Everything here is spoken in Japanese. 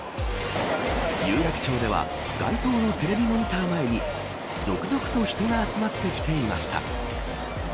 有楽町では街頭のテレビモニター前に続々と人が集まってきていました。